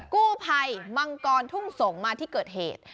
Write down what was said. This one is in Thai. กู้ภัยมังกรทุ่งสงศ์มาที่เกิดเหตุ